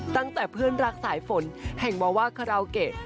ตั้งแต่เพื่อนรักสายฝนแห่งวาว่าคาราโอเกะ